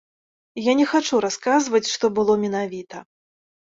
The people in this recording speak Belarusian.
Я не хачу расказваць, што было менавіта.